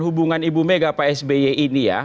hubungan ibu mega pak sby ini ya